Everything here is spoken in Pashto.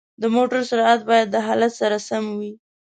د موټرو سرعت باید د حالت سره سم وي.